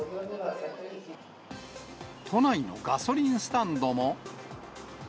都内のガソリンスタンドも。